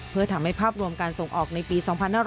เพื่อทำให้ภาพรวมการส่งออกในปี๒๕๖๐